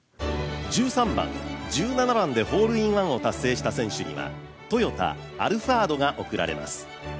１３番・１７番でホールインワンを達成した選手にはトヨタ、アルファードが贈られます。